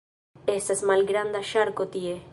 Estas malgranda ŝarko tie.